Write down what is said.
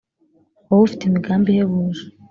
wowe ufite imigambi ihebuje